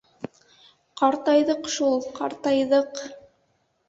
Ҡартайҙыҡ шул, ҡартайҙыҡ.